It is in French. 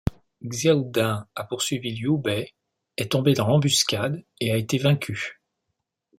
Xiahou Dun a poursuivi Liu Bei, est tombé dans l’embuscade et a été vaincu.